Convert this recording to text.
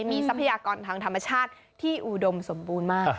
มีทรัพยากรทางธรรมชาติที่อุดมสมบูรณ์มาก